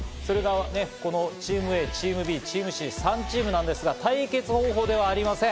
チームＡ、チームＢ、チームＣの３チームなんですが、対決方法ではありません。